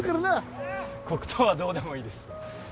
黒糖はどうでもいいです。